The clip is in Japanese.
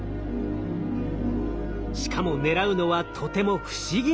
しかも狙うのはとても不思議なオーロラ。